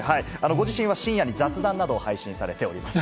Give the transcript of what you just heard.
ご自身は深夜に雑談などを配信しております。